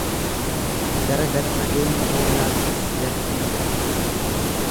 Gara gad-fageenya boollaattis gad ni bu’atte.